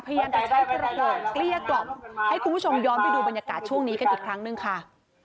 พยายามจะใช้กระโปรงเกลี้ยกล่อมให้คุณผู้ชมย้อนไปดูบรรยากาศช่วงนี้กันอีกครั้งหนึ่งค่ะ